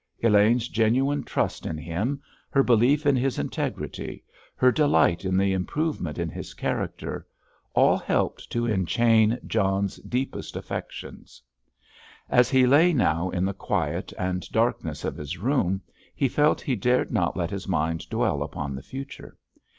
Elaine's genuine trust in him, her belief in his integrity, her delight in the improvement in his character, all helped to enchain John's deepest affections. As he lay now in the quiet and darkness of his room, he felt he dared not let his mind dwell upon the future.